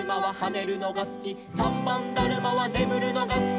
「さんばんだるまはねむるのがすき」